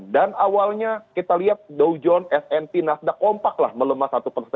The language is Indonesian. dan awalnya kita lihat dow jones s p nasdaq kompaklah melemah satu